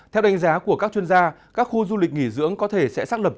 theo đánh giá của các chuyên gia các khu du lịch nghỉ dưỡng có thể sẽ xác lập